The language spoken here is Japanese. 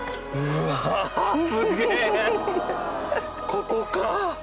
ここか！